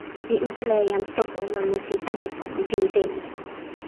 mi utala e jan Soso lon musi Sankenpon li pini sewi.